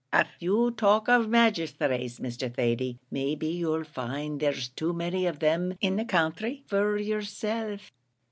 Av you talk of magisthrates, Mr. Thady, may be you'll find there's too many of them in the counthry for yerself."